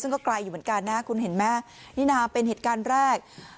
ซึ่งก็ไกลอยู่เหมือนกันนะคุณเห็นไหมนี่นะเป็นเหตุการณ์แรก